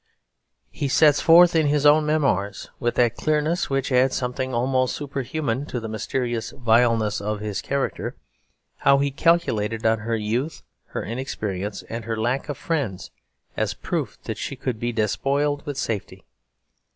He sets forth in his own memoirs, with that clearness which adds something almost superhuman to the mysterious vileness of his character, how he calculated on her youth, her inexperience and her lack of friends as proof that she could be despoiled with safety.